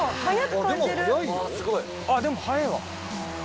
あっでも速えわ。